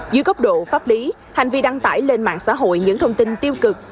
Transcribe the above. dưới cốc độ pháp lý hành vi đăng tải lên mạng xã hội những thông tin tiêu cực